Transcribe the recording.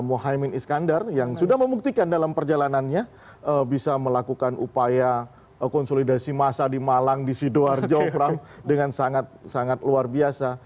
mohaimin iskandar yang sudah membuktikan dalam perjalanannya bisa melakukan upaya konsolidasi massa di malang di sidoarjo pram dengan sangat sangat luar biasa